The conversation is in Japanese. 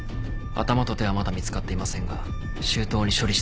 頭と手はまだ見つかっていませんが周到に処理したはずです。